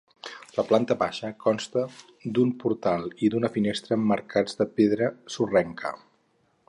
La planta baixa consta d'un gran portal i d'una finestra emmarcats de pedra sorrenca.